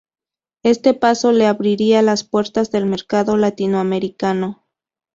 Este paso le abriría las puertas del mercado latinoamericano.